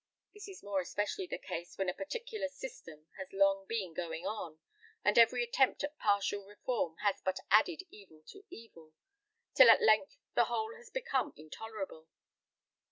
This is more especially the case when a particular system has long been going on, and every attempt at partial reform has but added evil to evil, till at length the whole has become intolerable.